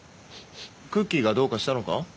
クッキーがどうかしたのか？